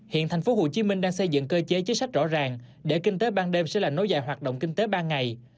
hiện tp hcm đang xây dựng cơ chế chính sách rõ ràng để kinh tế ban đêm sẽ là nối dài hoạt động kinh tế ba ngày